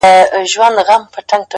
يمه دي غلام سترگي راواړوه ـ